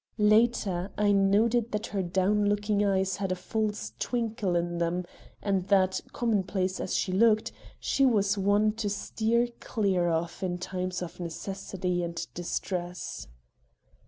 Later, I noted that her down looking eyes had a false twinkle in them, and that, commonplace as she looked, she was one to steer clear of in times of necessity and distress.